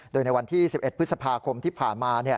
โดยในวันที่๑๑พฤษภาคมที่ผ่านมา